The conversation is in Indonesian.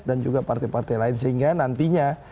dan juga partai partai lain sehingga nantinya